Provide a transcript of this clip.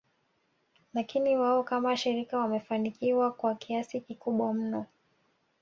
Lakini wao kama shirika wamefanikiwa kwa kiasi kikubwa mno